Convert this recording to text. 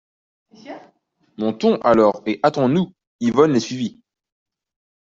Montons alors, et hâtons-nous ! Yvonne les suivit.